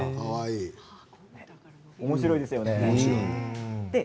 おもしろいですよね。